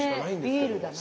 ねえビールだな。